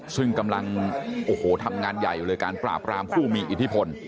ซึ่งกำลังโอ้โหทำงานใหญ่อยู่เลยการปราบรามผู้มีอิทธิพล